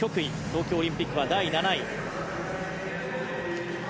東京オリンピックは第７位。